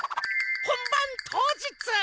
本番当日！